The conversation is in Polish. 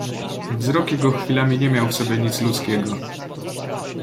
"Wzrok jego chwilami nie miał w sobie nic ludzkiego."